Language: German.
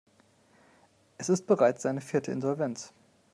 Es ist bereits seine vierte Insolvenz.